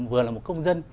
vừa là một công dân